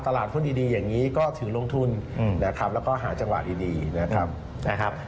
ตลาดหุ้นดีอย่างนี้ก็ถือลงทุนนะครับแล้วก็หาจังหวะดีนะครับ